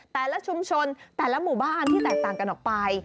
แต่ละชุมชนแต่ละหมู่บ้านที่แตกต่างกันออกไป